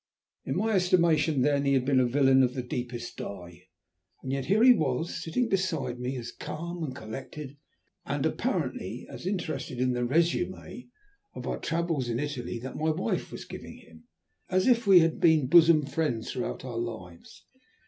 In my estimation then he had been a villain of the deepest dye, and yet here he was sitting beside me as calm and collected, and apparently as interested in the résumé of our travels in Italy that my wife was giving him, as if we had been bosom friends throughout our lives.